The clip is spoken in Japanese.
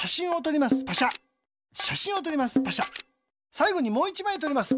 さいごにもう１まいとります。